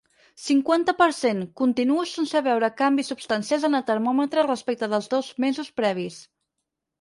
Cinquanta per cent Continuo sense veure canvis substancials en el termòmetre respecte dels dos mesos previs.